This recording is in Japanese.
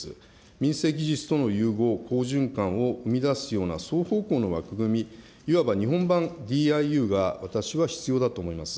民生技術との融合、好循環を生み出すような双方向の枠組み、いわば日本版ＤＩＵが私は必要だと思います。